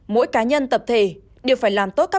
mỗi cá nhân tập thể đều phải làm tốt các biện pháp